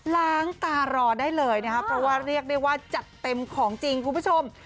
ล้างตารอได้เลยนะครับเพราะว่าเรียกได้ว่าจัดเต็มของจริงคุณผู้ชม